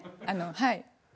あのはい。